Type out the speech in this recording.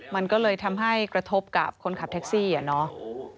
มันก็เลยทำให้กระทบกับคนขับแท็กซี่อ่ะเนาะ